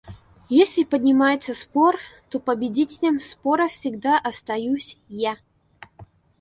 Если поднимается спор, то победителем спора всегда остаюсь я.